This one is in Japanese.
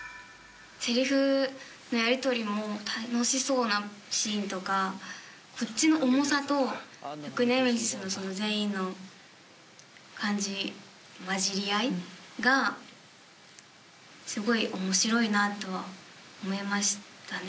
セリフのやりとりも楽しそうなシーンとかこっちの重さとネメシス全員の感じ交じり合いがすごい面白いなと思いましたね